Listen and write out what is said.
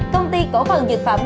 công ty cổ phần dược phẩm